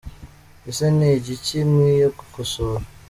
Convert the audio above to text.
Ese ni igiki nkwiye gukosora ?.